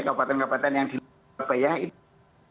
kabupaten kabupaten yang di surabaya itu